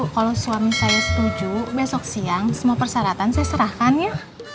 kalau suami saya setuju besok siang semua persyaratan saya serahkan ya